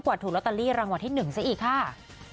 ถูกลอตเตอรี่รางวัลที่๑ซะอีกค่ะ